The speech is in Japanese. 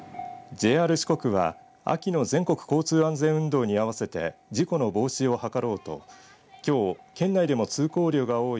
ＪＲ四国では秋の全国交通安全運動に合わせて事故の防止を図ろうときょう、県内でも通行量が多い